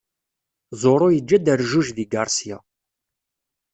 Zoro yeǧǧa-d rrjuj deg Garcia.